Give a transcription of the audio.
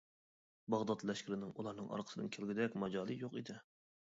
باغدات لەشكىرىنىڭ ئۇلارنىڭ ئارقىسىدىن كەلگۈدەك ماجالى يوق ئىدى.